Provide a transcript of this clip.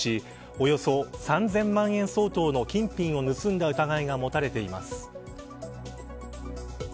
およそ３０００万円相当の金品を盗んだ疑いが持たれています。